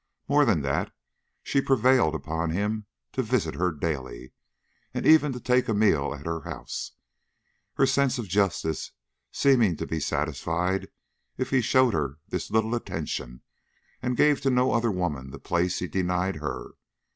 More than that, she prevailed upon him to visit her daily, and even to take a meal at her house, her sense of justice seeming to be satisfied if he showed her this little attention and gave to no other woman the place he denied her.